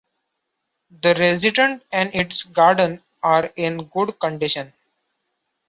The residence and its gardens are in good condition.